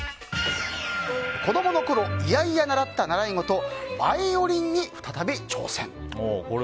子供のころ、嫌々習った習い事バイオリンに再び挑戦。